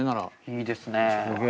いいですね。